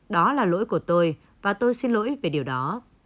đó là lỗi của tôi và tôi xin lỗi về điều đó